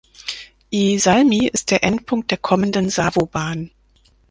Iisalmi ist der Endpunkt der kommenden Savo-Bahn.